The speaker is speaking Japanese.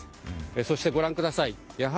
そしてご覧ください。